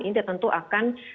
ini tentu akan